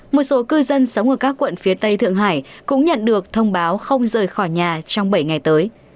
một số cư dân sống ở các quận phía tây thượng hải cũng nhận được thông báo không rời khỏi nhà trong bảy ngày tới